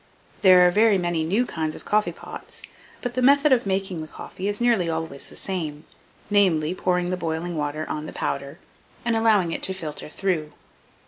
There are very many new kinds of coffee pots, but the method of making the coffee is nearly always the same; namely, pouring the boiling water on the powder, and allowing it to filter through.